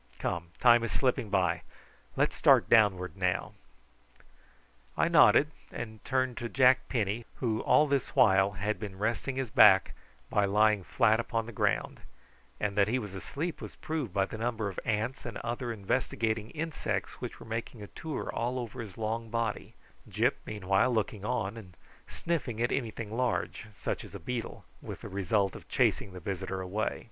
Come: time is slipping by. Let's start downward now." I nodded and turned to Jack Penny, who all this while had been resting his back by lying flat upon the ground, and that he was asleep was proved by the number of ants and other investigating insects which were making a tour all over his long body; Gyp meanwhile looking on, and sniffing at anything large, such as a beetle, with the result of chasing the visitor away.